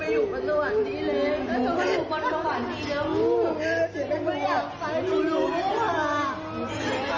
ไม่อยากไปดูดูด้วยค่ะ